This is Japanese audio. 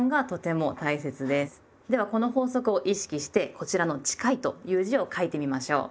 ではこの法則を意識してこちらの「近い」という字を書いてみましょう！